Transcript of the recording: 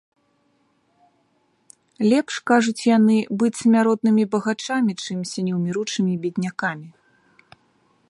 Лепш, кажуць яны, быць смяротнымі багачамі, чымся неўміручымі беднякамі.